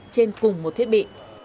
trên cùng một thiết bị